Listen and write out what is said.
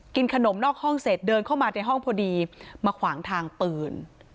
ขนมนอกห้องเสร็จเดินเข้ามาในห้องพอดีมาขวางทางปืน